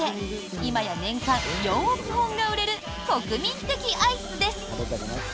今や年間４億本が売れる国民的アイスです。